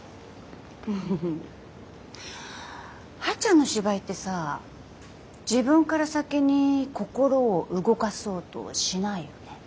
ふふふはっちゃんの芝居ってさ自分から先に心を動かそうとはしないよね。